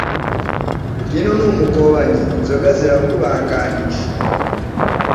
Vino ni umukobanyi inzoga zirakubaganisha